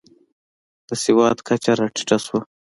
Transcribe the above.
د سواد کچه راټیټه شوه.